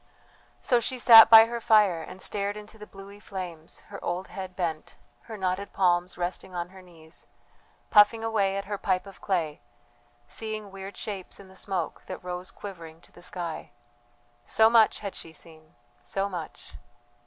So she sat by her fire and stared into the bluey flames, her old head bent, her knotted palms resting on her knees, puffing away at her pipe of clay, seeing weird shapes in the smoke that rose quivering to the sky. So much had she seen, so much